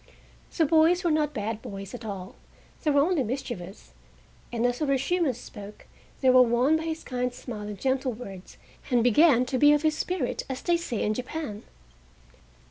The boys were not bad boys at all, they were only mischievous, and as Urashima spoke they were won by his kind smile and gentle words and began "to be of his spirit," as they say in Japan.